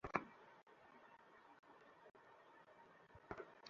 রণাঙ্গনের বিভিন্ন দৃশ্য তার চোখের ক্যামেরা যতনে রেখেছিল।